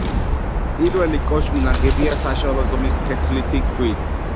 პირველი კოშკი ნაგებია საშუალო ზომის ფლეთილი ქვით.